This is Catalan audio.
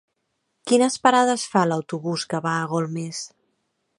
Quines parades fa l'autobús que va a Golmés?